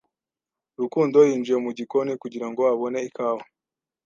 Rukundo yinjiye mu gikoni kugira ngo abone ikawa.